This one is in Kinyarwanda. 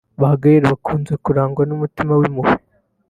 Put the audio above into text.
Ba Gaelle bakunze kurangwa n’umutima w’impuhwe